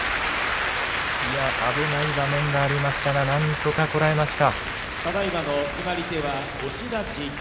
危ない場面がありましたがなんとかこらえました。